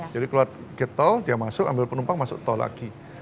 jadi keluar gate tol dia masuk ambil penumpang masuk tol lagi